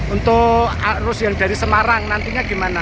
untuk arus yang dari semarang nantinya gimana